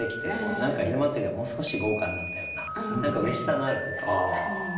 何か雛祭がもう少し豪華になったような何かうれしさのある句でしたね。